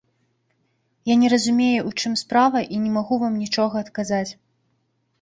Я не разумею, у чым справа, і не магу вам нічога адказаць.